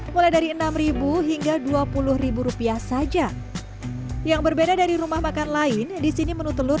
mulai dari enam ribu hingga dua puluh rupiah saja yang berbeda dari rumah makan lain disini menu telur